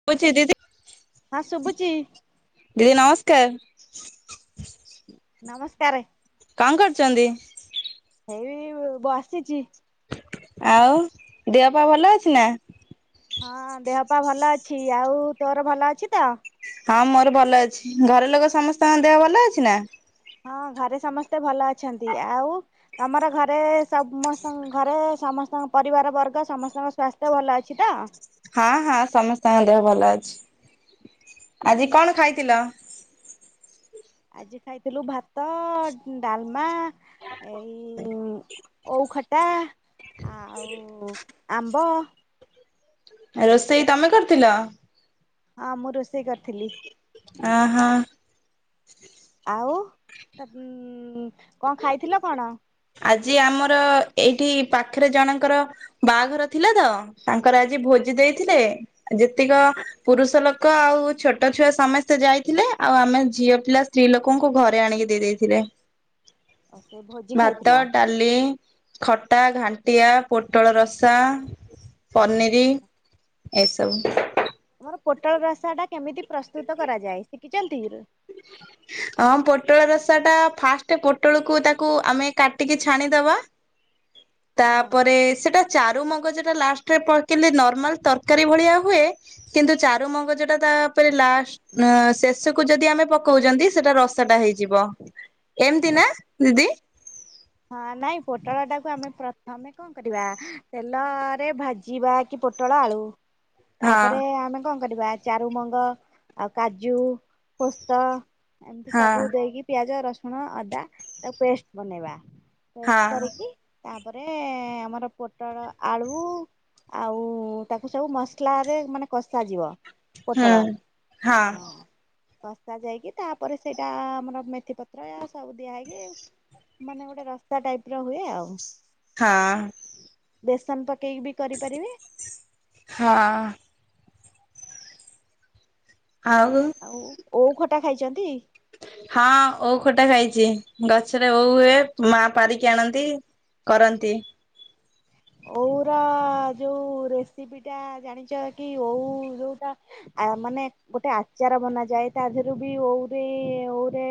[unintelligible] ହଁ ଶୁଭୁଛି। ଦିଦି ନମସ୍କାର। ନମସ୍କାରେ। କଣ କରୁଛନ୍ତି? ହେଇ ବସିଛି। ଆଉ ଦେହଫେଅ ଭଲ ଅଛି ନା? ହଁ ଦେହ ପା ଭଲ ଅଛି। ଆଉ ତୋର ଭଲ ଅଛି ତ? ହଁ ମୋର ଭଲ ଅଛି। ଘର ଲୋକ ସମସ୍ତଙ୍କ ଦେହ ଭଲ ଅଛି ନା? ହଁ ଘରେ ସମସ୍ତେ ଭଲ ଅଛନ୍ତି। ଆଉ? ତମର ଘରେ ସମସ୍ତଙ୍କ ଘରେ ସମସ୍ତଙ୍କ ପରିବାର ବର୍ଗ ସମସ୍ତଙ୍କ ସ୍ଵସ୍ଥ୍ୟ ଭଲ ଅଛି ତ? ହଁ ହଁ ସମସ୍ତଙ୍କ ଦେହ ଭଲ ଅଛି। ଆଜି କଣ ଖାଇଥିଲ? ଆଜି ଖାଇଥିଲୁ ଭାତ ଡାଲମା ଏଇ ଉ ଓଉ ଖଟା, ଆ ଆଉ ଆମ୍ବ। ଏଇ ରୋଷେଇ ତମେ କରିଥିଲ? ହଁ ମୁଁ ରୋଷେଇ କରିଥିଲି। ଅ ହ। ଆଉ [unintelligible] କଣ ଖାଇଥିଲ କଣ? ଆଜି ଆମର, ଏଇଠି ପାଖରେ ଜଣଙ୍କର ବାହାଘର ଥିଲା ତ ତାଙ୍କର ଆଜି ଭୋଜି ଦେଇଥିଲେ, ଯେତିକ ପୁରୁଷ ଲୋକ ଆଉ ଛୋଟ ଛୁଆ ସମସ୍ତେ ଯାଇଥିଲେ ଆଉ ଆମେ ଝିଅ ପିଲା ସ୍ତ୍ରୀ ଲୋକଙ୍କୁ ଘରେ ଆଣିକି ଦେଇ ଦେଇେ ଦେଇଥିଲେ। [unintelligible] ସେ ଭୋଜି ଭାତ, ଖାଇଥିଲ ଡାଲି, ଖଟା, ଘାଣ୍ଟିଆ, ପୋଟଳ ରସା। ପନିର ଏସବୁ। ଆଉ ଆମର ପୋଟଳ ରସାଟା କେମିତି ପ୍ରସ୍ତୁତ କରାଯାଏ ଶିଖିଛନ୍ତି? ହଁ ପୋଟଳ ରସାଟା ଫାଷ୍ଟ ପୋଟଳକୁ ତାକୁ ଆମେ କାଟିକି ଛାଣିଦବା। ହଁ ତାପରେ ସେଟା ଚାରୁ ମଗଜଟା ଲାଷ୍ଟରେ ପକେଇଲେ ନର୍ମାଲ ତରକାରୀ ଭଳିଆ ହୁଏ। କିନ୍ତୁ ଚାରୁ ମଗଜଟା ତାପରେ ଲାଷ୍ଟ ଅ ଶେଷକୁ ଯଦି ଆମେ ପକଉଛନ୍ତି ସେଟା ରସା ଟା ହେଇଯିବ। ଏମିତି ନା ଦିଦି? ହଁ ନାଇଁ ପୋଟଳଟାକୁ ଆମେ ପ୍ରଥମେ କଣ କରିବା ତେଲରେ ଭାଜିବା କି ପୋଟଳ ଆଳୁ। ହଁ ତାପରେ ଆମେ କଣ କରିବା? ଚାରୁମଗ ଆଉ କାଜୁ ପୋସ୍ତ ଏମିତି ହଁ ସବୁ ଦେଇକି ପିଆଜ ରସୁଣ ଅଦା ତା ପେଷ୍ଟ ବନେଇବା ହଁ ପେଷ୍ଟ କରିକି ତାପରେ ଆମର ପୋଟଳ ଆଳୁ ଆଉ ତାକୁ ସବୁ ମସଲାରେ ମାନେ କଷା ଯିବ। ହୁଁ ପୋଟଳ ହଁ। ବସ୍ତା ଯାଇକି ତାପରେ ସେଇଟା ଆମର ମେଥି ପତ୍ର ସବୁ ଦିଆ ହେଇକି ମାନେ ଗୋଟେ ରାସ୍ତା ଟାଇପର ହୁଏ ଆଉ ହଁ। ବେସନ ପକେଇକି ବି କରି ପାରିବେ। ହଁ। ଆଉ ଆଉ ଓଉ ଖଟା ଖାଇଛନ୍ତି? ହଁ ଓଉ ଖଟା ଖାଇଛି ଗଛରେ ଓଉ ହୁଏ ମା ପାରିକି ଆଣନ୍ତି କରନ୍ତି। ଓଉର ଯୋଉ ରେସିପିଟା ଜାଣିଛ କି ଓଉ ଯୋଉଟା ଆ ମାନେ ଗୋଟେ ଆଚାର ବନାଯାଏ ତା ଦେହରେ ଓଉରେ ଓଉରେ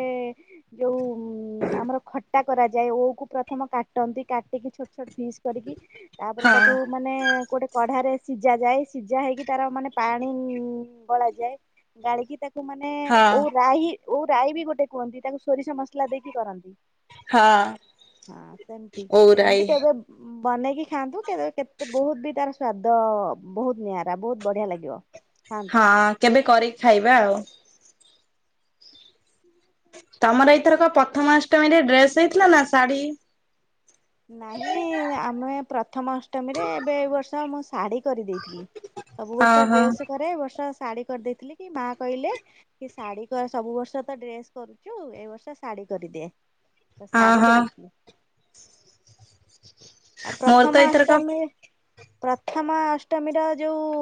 ଯୋଉ ଆମର ଖଟା କରାଯାଏ ଓଉକୁୁ ପ୍ରଥମ କାଟନ୍ତି କାଟିକି ଛୋଟ ଛୋଟ ପିସ୍ କରିକି ତାପରେ ହଁ ତାକୁ ମାନେ ଗୋଟେ କଢାରେ ସିଝା ଯାଏ ସିଝା ହେଇକି ତାର ମାନେ ପାଣି ଗଳାଯାଏ। ଗାଳକି ତା କୁ ମାନେ ହଁ ଓଉ ରାଇ ଓଉ ରାଇ ବି ଗୋଟେ କୁହନ୍ତି ତାକୁ ସୋରିଷ ମସଲା ଦେଇକି କରନ୍ତି। ହଁ ହଁ ସେମିତି ସେମିତି ଓଉରାଇ। କେବେ ଉ ବନେଇକି ଖାଆନ୍ତୁ କେତେ ବହୁତ ବି ତାର ସ୍ଵାଦ ବହୁତ ନିଆରା ବହୁତ ବଢିଆ ଲାଗିବ। ହଁ। ହଁ କେବେ କରିକି ଖାଇବା ଆଉ [inaudible] ତମର ଏଇଥରକ ପ୍ରଥମାଷ୍ଟମୀରେ ଡ୍ରେସ ହେଇଥିଲା ନା ଶାଢ଼ୀ? ନାହିଁ ଆମେ ପ୍ରଥମ ଅଷ୍ଟମୀରେ ଏବେ ଏଇ ବର୍ଷ ଆମ ଶାଢୀ କରିଦେଇଥିଲି ସବୁ ବର୍ଷ ଓହୋ ଡ୍ରେସ କରେ ଏବର୍ଷ ଶାଢୀ କରିଦେଇଥିଲି କି ମା କହିଲେ କି ଶାଢୀ ସବୁ ବର୍ଷ ତ ଡ୍ରେସ କରୁଛୁ ଏଇ ବର୍ଷ ଶାଢୀ କରିଦେ। ହଁ ଶାଢୀ ହଁ। କରିଥିଲି। ଆଉ ମୋର ତ ଏଇଥରକ ପ୍ରଥମାଅଷ୍ଟମୀ ପ୍ରଥମାଅଷ୍ଟମୀର ଯୋଉ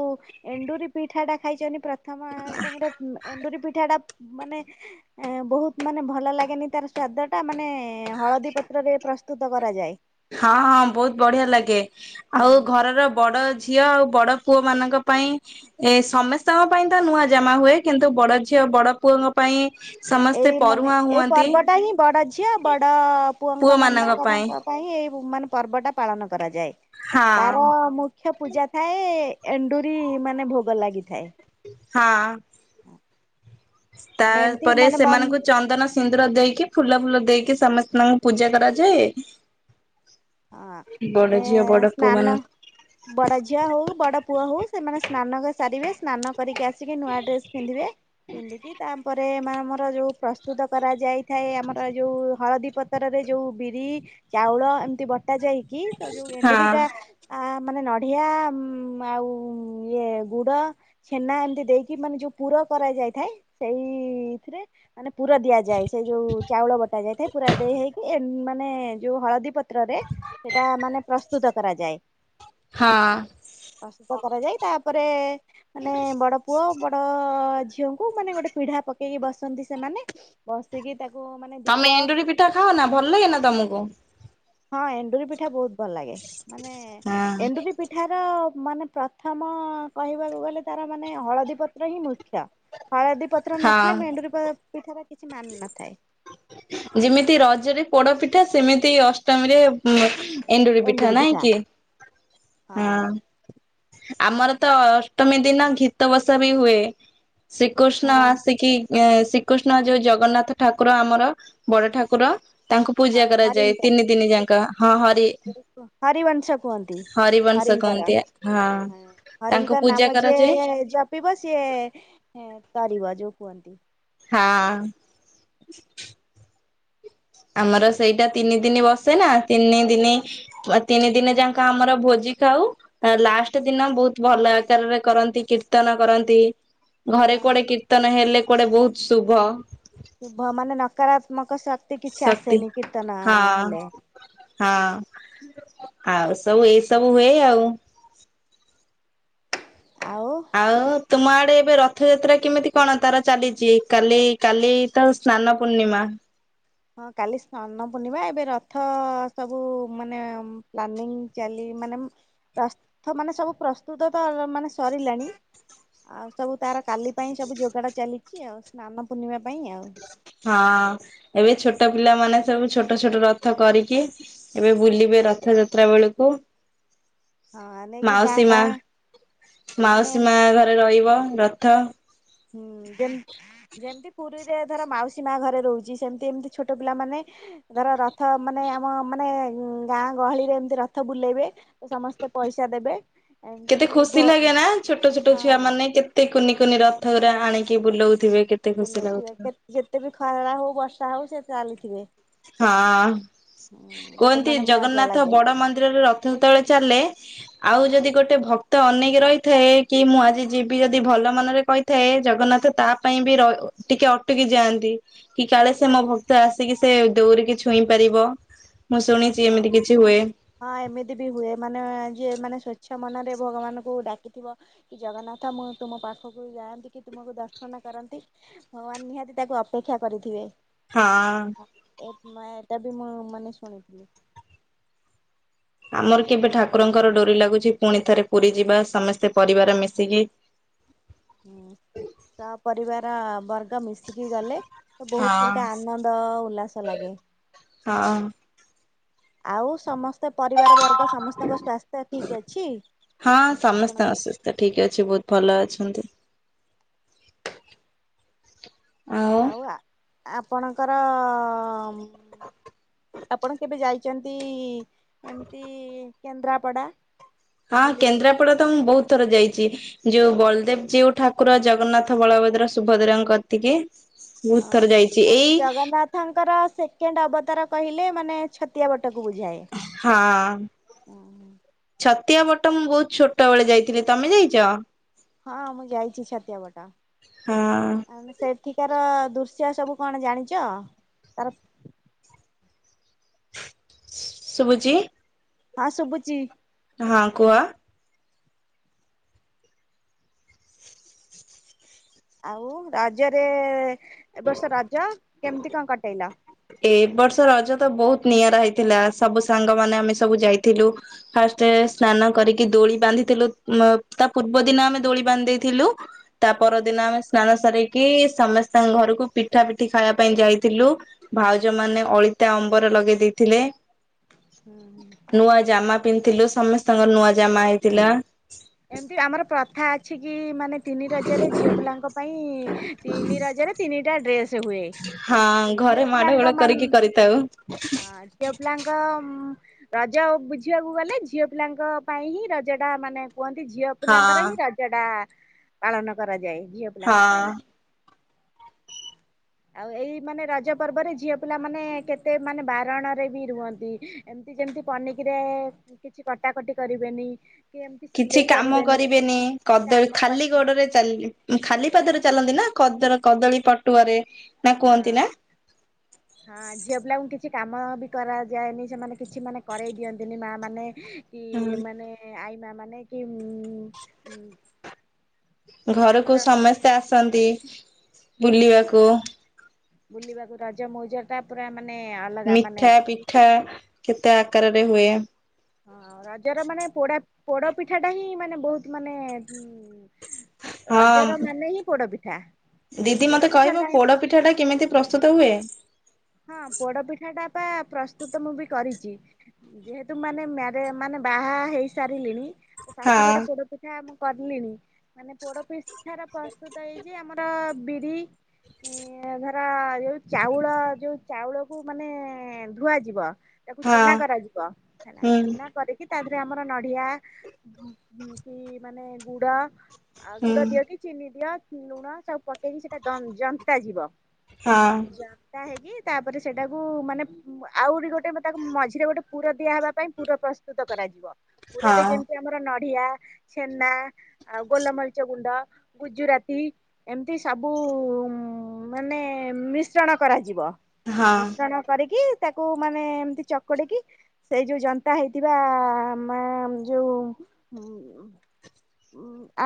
ଏଣ୍ଡୁରି ପିଠାଟା ଖାଇଛନ୍ତି ପ୍ରଥମାଷ୍ଟମୀର ଏଣ୍ଡୁରି ପିଠାଟା ମାନେ ଏ ବହୁତ ମାନେ ଭଲ ଲାଗେନି ତାର ସ୍ଵାଦଟା ମାନେ ହଳଦୀ ପତ୍ରରେ ପ୍ରସ୍ତୁତ କରାଯାଏ। ହଁ ହଁ ବହୁତ ବଢିଆ ଲାଗେ ହଁ ଆଉ ଘରର ବଡ ଝିଅ ଆଉ ବଡ ପୁଅମାନଙ୍କ ପାଇଁ ଏ ସମସ୍ତଙ୍କ ପାଇଁ ତ ନୂଆ ଜାମା ହୁଏ କିନ୍ତୁ ବଡ ଝିଅ ବଡ ପୁଅଙ୍କ ପାଇଁ ସମସ୍ତେ ଏଇ ମାନେ ପରୁହାଁ ଏଇ ହୁଅନ୍ତି ପର୍ବଟା ହିଁ ବଡ ଝିଅ ବଡ ପୁଅଙ୍କ ପୁଅ ମାନଙ୍କ ମାନବକଙ୍କ ପାଇଁ ବୁ ମାନେ ପର୍ବ ଟା ପାଳନ କରାଯାଏ ତାର ହଁ ମୁ ଖ୍ୟ ପୂଜା ଥାଏ ଏଣ୍ଡୁରି ମାନେ ଭୋଗ ଲାଗିଥାଏ। ହଁ। ମାନେ ଏମିତି ତାପରେ ମାନେ ବନ୍ ସେମାନଙ୍କୁ ଚନ୍ଦନ ସି ନ୍ଦୁର ଦେଇକି ଫୁଲ ଫୁଲ ଦେଇକି ସମସ୍ତଙ୍କୁ ପୂଜା କରାଯାଏ ହଁ ମାନେ ବଡ ଝିଅ ବଡ ପୁଅ ସ୍ନାନ ମାନ ବଡ ଝିଅ ହୋଉ ବଡ ପୁଅ ହୋଉ ସେମାନେ ସ୍ନାନ କ ସାରିବେ ସ୍ନାନ କରିକି ଆସିକି ନୂଆ ଡ୍ରେସ ପିନ୍ଧିବେ ପିନ୍ଧିକି ତାପରେ ମା ଆମର ଯୋଉ ପ୍ରସ୍ତୁତ କରାଯାଇଥାଏ ଆମର ଯୋଉ ହଳଦୀ ପ ପତରରେ ଯୋଉ ବିରି ଚାଉଳ ଏମ୍ତି ବଟା ଯାଇକି ତ ଯୋଉ ହଁ। ଏଣ୍ଡୁରିଟା ଆ ମାନେ ନଡିଆ ଉମ୍ ଆଉ ଇଏ ଗୁଡ ଛେନା ଏମ୍ତି ଦେଇକି ମାନେ ଯୋଉ ପୁର କରାଯାଇଥାଏ ସେଇଥିରେ ମାନେ ପୁର ଦିଆଯାଏ ସେ ଯୋଉ ଚାଉଳ ବଟା ଯାଇଥାଏ ପୁରା ଦେଇ ହେଇକି ଏ ମାନେ ଯୋଉ ହଳଦୀ ପତ୍ ତ୍ର ରେ ସେଇଟା ମାନେ ପ୍ରସ୍ତୁତ କରାଯାଏ। ହଁ ପ୍ରସ୍ତୁତ କରାଯାଇ ତାପରେ ମାନେ ବଡ ପୁଅ ବଡ ଝିଅଙ୍କୁ ମାନେ ଗୋଟେ ପିଢା ପକେଇକି ବସନ୍ତି ସେମାନେ ବସିକି ତାକୁ ମାନେ ତମେ ଦୀପ ଏଣ୍ଡୁରି ପିଠା ଖାଅ ନା ଭଲ୍ ଲାଗେନା ତମୁକୁ? ହଁ ଏଣ୍ଡୁରି ପିଠା ବୋହୁତ୍ ଭଲ ଲାଗେ ମାନେ ହଁ। ଏଣ୍ଡୁରି ପି ଠାର ମାନେ ପ୍ରଥମ କହିବାକୁ ଗଲେ ତାର ମାନେ ହଳଦୀପତ୍ର ହିଁ ମୁଖ୍ୟ। ହଳଦୀ ପତ୍ର ହଁ। ନଥିଲେ ମେଣ୍ଡୁରୀ ପିଠା କିଛି ମାନ ନଥାଏ। ଯିମିତି ରଜରେ ପୋଡ ପିଠା ସେମିତି ଅଷ୍ଟମୀରେ ଉଁ ଏଣ୍ଡୁରି ପିଠା ନାଇଁ କି? ହଁ। ଆମର ତ ଅଷ୍ଟମୀ ଦିନ ଘୀତ ବସା ବି ହୁଏ। ଶ୍ରୀକୁଷ୍ଣ ହଁ ଆସିକି ଏଁ ଶ୍ରୀକୁଷ୍ଣ ଯୋଉ ଜଗନ୍ନାଥ ଠାକୁର ଆମର ବଡ଼ ଠାକୁର ତାଙ୍କୁ ହଁ ପୂଜା କରାଯାଏ ହରିଙ୍କର ତିନି ଦିନି ଯାଙ୍କ ହଁ ହରି ହରିବଂଶ କୁହନ୍ତି ହରିବଂଶ ହରିଙ୍କର କହନ୍ତି ଆ ତାଙ୍କୁ ପୂଜା କରାଯାଏ। ପିବ ସିଏ ଏ ଏ ତାରିବ ଯୋଉ କୁଅନ୍ତି। ହଁ। ଆମର ସେଇଟା ତିନି ଦିନ ବସେ ନା ତିନି ଦିନି ଆ ତିନି ଦିନେ ଯାଙ୍କ ଆମର ଭୋଜି ଖାଉ। ତାରେ ଲାଷ୍ଟ ଦିନ ବୋହୁତ୍ ଭଲ ଆକାରରେ କରନ୍ତି କୀର୍ତ୍ତନ କରନ୍ତି। ଘରେ ହଁ କୁଆଡେ କୀର୍ତ୍ତନ ହେଲେ କୁଆଡେ ବୋହୁତ ଶୁଭ। ଶୁଭ ମାନେ ନକାରାତ୍ମକ ଶକ୍ତି କିଛି ଶକ୍ତି ଆସେନି କୀର୍ତ୍ତନ ହଁ ହେଲେ। ହଁ ଆଉ ସବୁ ଏଇସବୁ ହୁଏ ଆଉ। ଆଉ ଆଉ ତୁମ ଆଡେ ଏବେ ରଥଯାତ୍ରା କିମିତି କଣ ତାର ଚାଲିଛି, କାଲି କାଲି ତାର ସ୍ନାନ ପୂର୍ଣ୍ଣିମା। ହଁ କାଲି ସ୍ନନ ପୂର୍ଣ୍ଣିମା ଏବେ ରଥ ସବୁ ମାନେ ପ୍ଲାନିଂ ଚାଲି ମାନେ ମ୍ ରଥ ମାନେ ସବୁ ପ୍ରସ୍ତୁତ ତ ମାନେ ସରିଲାଣି ଆଉ ସବୁ ତାର କାଲି ପାଇଁ ସବୁ ଯୋଗାଡ଼ ଚାଲିଛି ଆଉ, ସ୍ନାନ ପୂର୍ଣ୍ଣିମା ପାଇଁ ଆଉ। ହଁ ଏବେ ଛୋଟ ପିଲାମାନେ ସବୁ ଛୋଟ ଛୋଟ ରଥ କରିକି ଏବେ ବୁଲିବେ ରଥଯାତ୍ରା ବେଳୁକୁ। [inaudible] ନେଇକି ଗାଁ ମାଉସୀ ମା, ଗାଁ ମାନେ ମାଉସୀ ମା ଘରେ ରଇବ ରଥ। ହୁଁ, ଦେନ୍ ଯେମତି ପୁରୀରେ ଧର ମାଉସୀ ମା ଘରେ ରହୁଛି ସେମ୍ ତି ଏମତିି ଛୋଟ ପିଲା ମାନେ ଧର ରଥ ମାନେ ଆମ ମାନେ ଗାଁ ଗହଳିରେ ଏମତି ରଥ ବୁଲେଇବେ ତ ସମସ୍ତେ ପଇସା ଦେବେ, ଏମ୍ ତି କେତେ ଖୁସି ଭୋ ଲାଗେ ନା ଛୋଟ ଛୋଟ ଛୁଆ ମାନେ କେତେ କୁନି କୁନି ରଥଗୁରା ଆଣିକି ବୁଲଉଥିବେ କେ ବୁଲଉଥିବେ କେ ଯେତେ ବି ଖରା ହଉ ବର୍ଷା ହଉ ସେ ଚାଲିଥିବେ। ହଁ, ହୁଁ ଗୋଟେ କୁହନ୍ତି ମାନେ ମଜା ଜଗନ୍ନାଥ ଲାଗେ ବଡ ମନ୍ଦିରରେ ରଥ ଯେତେବେଳେ ଚାଲେ ଆଉ ଯଦି ଗୋଟେ ଭକ୍ତ ଅନେକ ରହିଥିବେ କି ମୁଁ ଆଜି ଯିବି ଯଦି ଭଲ ମନରେ କହି ଥାଏ ଜଗନ୍ନାଥ ତା ପାଇଁ ବି ର ଟିକେ ଅଟକି ଯାଆନ୍ତି କି କାଳେ ସେ ମୋ ଭକ୍ତ ଆସିକି ସେ ଦୌରିକି ଛୁଇଁ ପାରିବ ମୁଁ ଶୁଣିଛି ହଁ। ଏମିତି କିଛି ହୁଏ। ହଁ, ଏମିତି ବି ହୁଏ ମାନେ ଯିଏ ମାନେ ସ୍ଵଚ୍ଛ ମନରେ ଭଗବାନଙ୍କୁ ଡାକିଥିବ କି ଜଗନ୍ନାଥ ମୁଁ ତୁମ ପାଖକୁ ଯାଆନ୍ତି କି ତୁମକୁ ଦର୍ଶନ କରନ୍ତି ଭଗବାନ ନିହାତି ତାକୁ ଅପେକ୍ଷା କରିଥିବେ। ହଁ। ଏ ମାୟା ଟା ବି ମୁଁ ମାନେ ଶୁଣିଥିଲି। ଆମର କେବେ ଠାକୁରଙ୍କର ଡୋରି ଲାଗୁଛି ପୁଣି ଥରେ ପୁରୀ ଯିବା ସମସ୍ତେ ପରିବାର ମିଶିକି। ହୁଁ, ସ ପରରିବାର ବର୍ଗ ମିଶିକି ଗଲେ ତ ବହୁତ ସେଇଟା ହଁ। ଆନନ୍ଦ, ଉଲ୍ଲାସ ଲାଗେ। ହଁ [unintelligible] ଆଉ ସମସ୍ତେ ପରିବାର ବର୍ଗ ସମସ୍ତଙ୍କ ସ୍ୱାସ୍ଥ୍ୟ ଠିକ୍ ଅଛି ଆପଣ ତ ଠିକ୍ ଅଛି ବହୁତ ଭଲ ଅଛନ୍ତି। ଆଉ ଆ -ଆପଣଙ୍କର ଆପଣ କେବେ ଯାଇଛନ୍ତି ଏମତି କେନ୍ଦ୍ରାପଡା? ହଁ, ବୁଲିବା ପାଇଁ କେନ୍ଦ୍ରାପଡା ତ ମୁଁ ବହୁତ ଥର ଯାଇଛି। ଯୋଉ ବଳଦେବ ଜିଉ ଠାକୁର ଜଗନ୍ନାଥ, ବଳଭଦ୍ର, ସୁଭଦ୍ରାଙ୍କ କତିକି। ବହୁତ ହଁ, ଥର ଯାଇଛି ମାନେ ଏଇ ଜଗନ୍ନାଥ୍ ତାଙ୍କର ସେକେଣ୍ଡ ଅବତାର କହିଲେ ମାନେ ଛତିଆ ବଟକୁ ବୁଝାଏ। ହଁ। ଛତିଆ ବଟ ମୁଁ ବହୁତ୍ ଛୋଟ ବେଳେ ଯାଇଥିଲି ତମେ ଯାଇଛ? ହଁ, ମୁଁ ଯାଇଛି ଛାତିଆବଟ ହଁ ଆମେ ସେ ସେଠିକାର ଦୃଶ୍ୟ ସବୁ କଣ ଜାଣିଛ ତାର ଶୁଭୁଛି। ହଁ, ଶୁଭୁଛି। ହଁ, କୁହ। ଆଉ ରାଜରେ ଏବ ବର୍ଷ ରଜ କେମିତି କଣ କଟେଇଲ? ଏ ବର୍ଷ ରଜ ତ ବହୁତ୍ ନିଆରା ହେଇଥିଲା ସବୁ ସାଙ୍ଗମାନେ ଆମେ ସବୁ ଯାଇଥିଲୁ ଫାଷ୍ଟ ସ୍ନାନ କରିକି ଦୋଳି ବାନ୍ଧିଥିଲୁ ତା ପୂର୍ବ ଦିନ ଆମେ ଦୋଳି ବାନ୍ଧି ଦେଇଥିଲୁ। ତା ପରଦିନ ଆମେ ସ୍ନାନ ସାରିକି ସମସ୍ତଙ୍କ ଘରକୁ ପିଠା ପିଠି ଖାଇବା ପାଇଁ ଯାଇଥିଲୁ। ଭାଉଜ ମାନେ ଅଳିତା ଅମ୍ବର ଲଗେଇ ଦେଇଥିଲେ। [inaudible] ନୂଆ ଜାମା ପିନ୍ଧିଥିଲୁ ସମସ୍ତଙ୍କର ନୂଆ ଜାମା ହେଇଥିଲା। ଏମିତି ଆମର ପ୍ରଥା ଅଛି ଅଛି କି ମାନେ ତିନି ରଜରେ ଝିଅ ପିଲାଙ୍କ ପାଇଁ ତିନି ରଜରେ ତିନିଟା ଡ୍ରେସ୍। ହଁ, ଘରେ ମାଡ ଗୋଳ ମାନ କରିକି କରିଥାଉ। ହଁ ଝିଅ ପିଲାଙ୍କ ରଜ ବୁଝିବାକୁ ଗଲେ ଝିଅ ପିଲାଙ୍କ ପାଇଁ ହିଁ ରଜଟା ମାନେ। କୁହନ୍ତି ଝିଅ ହଁ ପିଲାଙ୍କର ହିଁ ରଜା ଟା ପାଳନ କରାଯାଏ। ଝିଅ। ପିଲାଙ୍କ ପାଇଁ ହଁ। ଆଉ ଏଇ ମାନେ ରଜ ପର୍ବରେ ଝିଅ ପିଲା ମାନେ କେତେ ମାନେ ବାରଣରେ ବି ରୁହନ୍ତି। ଏମିତି ଯେମିତି ପନିକିରେ କିଛି କଟାକଟି କରିବେନି। କି ଏମିତି କିଛି ସିଲେଇ କାମ କରିବେନି, କିଛି କଦଳୀ, କାମ ଖାଲି କରିବେ ଗୋଡରେ। ଖାଲି ପାଦରେ ଚାଲନ୍ତି ନା କଦ କଦଳୀ ପଟୁଆରେ ନା କୁହନ୍ତି ନା? ହ [inaudible] ହଁ, ଝିଅ ପିଲାଙ୍କୁ କିଛି କାମ ବି କରାଯାଏନି। ସେମାନେ କିଛି ମାନେ କରେଇ ଦିଅନ୍ତିନି ମା ମାନେ। କି ହୁଁ ମାନେ ଆଇମା ମାନେ କି ଉ। ଘରକୁ ସମେସ୍ତେ ଆସନ୍ତି ବୁଲିବାକୁ। ବୁଲିବାକୁ ରଜ ମଉଜ ଟା ପୁରା ମାନେ ଅଲଗା ମାନେ। ଠା କେତେ ଆକାରରେ ହୁଏ। ହଁ, ରଜର ମାନେ ପୋ ପୋଡ ପିଠା ଟା ହିଁ ମାନେ ବହୁତ ମାନେ। ରଜର ହଁ ମାନେ ହିଁ ପୋଡପିଠା। ଦିଦି ମତେ ପୋଡପିଠା କହିବ ନାହିଁ ପୋଡ ପିଠା ଟା କେମିତି ପ୍ରସ୍ତୁତ ହୁଏ। ହଁ, ପୋଡ ପିଠା ଟା ବା ପ୍ରସ୍ତୁତ ମୁଁ ବି କରିଚି। ଯେହେତୁ ମାନେ ମ୍ୟାରେ ମାନେ ବାହା ହେଇସାରିଲିଣି ଶାଶୁ ଘରେ ହଁ ପୋଡ ପିଠା। ପିଠା ମୁଁ କଲିଣି। ମାନେ ପୋଡପିଠାର ପ୍ରସ୍ତୁତ ହେଇଚି ଆମର ବିରି। ଧର ଯୋଉ ଚାଉଳ ଯୋଉ ଚାଉଳକୁ ମାନେ ଧୁଆ ଯିବ। ତାକୁ ହଁ ଚୁନା କରାଯିବ, ହେଲା ହୁଁ ଚୁନା କରିକି। ତା ଦେହେରେ ଆମର ନଡିଆ କି ମାନେ ଗୁଡ ଆ ହୁଁ ଗୁଡ ଦିଅ କି। ଚିନି ଦିଅ କି ଲୁଣ ସବୁ ପକେଇକି ସେଇଟା ଜନ୍ତା ଯିବ। ହଁ। ଯନ୍ତା ହେଇକି ତାପରେ ସେଇଟାକୁ ମାନେ। ଆଉରି ଗୋଟେ ତାକୁ ମଝିରେ ଗୋଟେ ପୁର ଦିଆହବା ପାଇଁ ପୁର ପ୍ରସ୍ତୁତ କରାଯିବ। ପୁରରେ ହଁ ଯେମିତି। ଆମର ନଢିଆ, ଛେନା ଆଉ ଗୋଲମରିଚ ଗୁଣ୍ଡ ଗୁଜୁରାତି। ଏମିତି ସବୁ ମାନେ ମିଶ୍ରଣ କରାଯିବ। ମିଶ୍ରଣ କରିକି ତାକୁ ମାନେ ଏମତି ଚକଡିକି। ସେଇ ଯୋଉ ଜନ୍ତା ହେଇଥିବା ମା ଯୋଉ।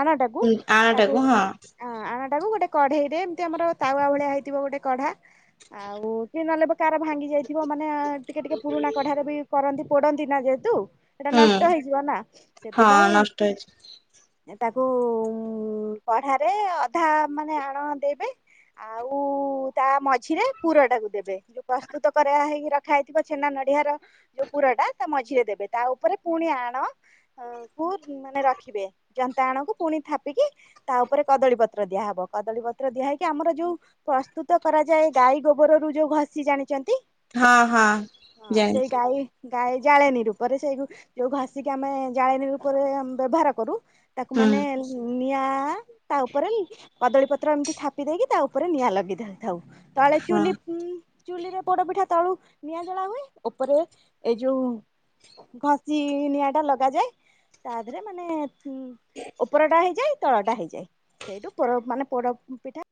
ଆନା ଟାକୁ ହଁ ତାକୁ। ଆଣଟାକୁ ହଁ ଆଣଟାକୁୁ ଗୋଟେ କଢେଇ ରେ ଏମିତି ଆମର ତାୱଆ ଭଳିଆ ହେଇଥିବ ଗୋଟେ କଢା। ଆଉ ଚି ନଲେ। କାର ଭାଙ୍ଗି ଯାଇଥିବ। ମାନେ ଟିକେ ଟିକେ ପୁରୁଣା କଢାରେ ବି କରନ୍ତି ପୋଡନ୍ତି ନା ଯେହେତୁ। ସେଇଟା ହୁଁ ନଷ୍ଟ ହେଇଯିବ ନା ହଁ ସେଥିପାଇଁ। ନଷ୍ଟ ହେଇଛି ତାକୁ କଢାରେ ଅଧା ମାନେ ଆଣ ଦେବେ। ଆଉ ତା ମଝିରେ। ପୁର ଟାକୁ ଦେବେ। ଯୋଉ ପ୍ରସ୍ତୁତ କରା ହେଇକି ରଖା ହେଇଥିବ ଛେନା, ନଢିଆ ର। ଯୋଉ ପୁର ଟା ତା ମଝିରେ ଦେବେ, ତା ଉପରେ ପୁଣି ଆଣ। ଅ କୁ ମାନେ ରଖିବେ, ଜନ୍ତାଣକୁ ପୁଣି ଥାପିକି। ତା ଉପରେ କଦଳୀ ପତ୍ର ଦିଆହବ, କଦଳୀ ପତ୍ର ଦିଆ ହେଇକି ଆମର ଯୋଉ ପ୍ରସ୍ତୁତ କରାଯାଏ। ଗାଈ ଗୋବରରୁ ଯୋଉ ଘଷି ଜାଣିଛନ୍ତି? ହଁ ହଁ ହଁ ସେଇ ଜାଣିଛି ଗାଈ। ଗାଈ ଜାଳେଣୀ ରୂପରେ ସେଇ ଯୋଉ ଘାସିକି ଆମେ ଜାଳେଣୀ ରୂପରେ ବ୍ୟବହାର କରୁ। ତାକୁ ହୁଁ ମାନେ ନିଆ ତା ଉପରେ କଦଳୀ ପତ୍ର ଏମିତି ଥାପି ଦେଇକି ତା ଉପରେ ନିଆଁ ଲଗି ଦେଇଉଥାଉ। ତାଳେ ହଁ ଚୁଲି ଉ ଚୁଲିରେ ପୋଡ ପିଠା ତଳୁ ନିଆଁ ଜଳା ହୁଏ ଉପରେ ଏ ଯୋଉ ଘଷି ନିଆଁ ଟା ଲଗାଯାଏ ତା ଦେହରେ ମାନେ [unintelligible] ଉପରଟା ହେଇଯାଏ ତଳଟା ହେଇଯାଏ ସେଇଠୁ ପୋ ମାନେ ପୋଡ ପିଠା।